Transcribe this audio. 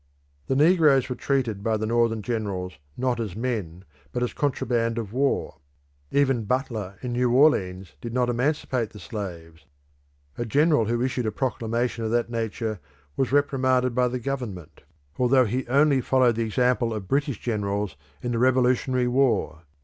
The negroes were treated by the Northern generals not as men, but as contraband of war; even Butler in New Orleans did not emancipate the slaves; a general who issued a proclamation of that nature was reprimanded by the government, although he only followed the example of British generals in the Revolutionary war.